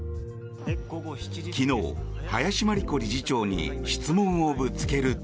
昨日、林真理子理事長に質問をぶつけると。